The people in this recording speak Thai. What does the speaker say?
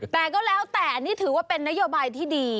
แต่ก็แล้วแต่นี่ถือว่าเป็นนโยบายที่ดี